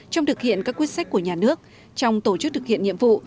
trong thực hiện các quyết sách của nhà nước trong tổ chức thực hiện nhiệm vụ